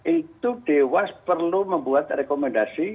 itu dewas perlu membuat rekomendasi